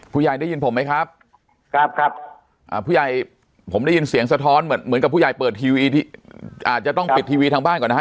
ได้ยินผมไหมครับครับผู้ใหญ่ผมได้ยินเสียงสะท้อนเหมือนเหมือนกับผู้ใหญ่เปิดทีวีอาจจะต้องปิดทีวีทางบ้านก่อนนะฮะ